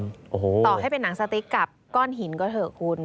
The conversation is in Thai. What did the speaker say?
ต่อให้เป็นหนังสติ๊กกับก้อนหินก็เถอะคุณ